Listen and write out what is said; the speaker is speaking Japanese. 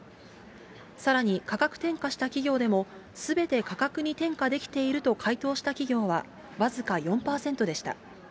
さらに価格転嫁した企業でも、すべて価格に転嫁できていると回答した企業は僅か４％でした。